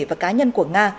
và cá nhân của nga